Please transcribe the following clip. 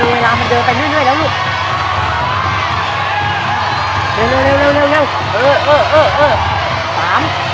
เวลาเดินไปแล้วนะฮะ